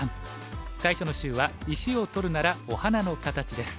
最初の週は「石を取るならお花のかたち」です。